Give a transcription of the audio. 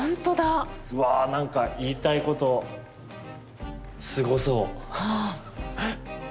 うわなんか言いたいことすごそう。